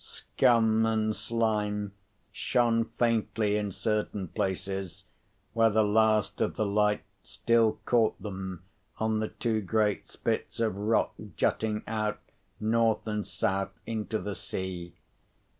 Scum and slime shone faintly in certain places, where the last of the light still caught them on the two great spits of rock jutting out, north and south, into the sea.